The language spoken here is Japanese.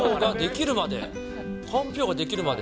かんぴょうができるまで。